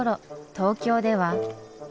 東京では。